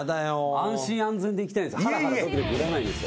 安心安全でいきたいんですよ。